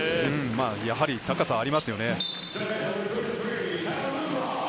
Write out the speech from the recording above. やはり高さありますよね。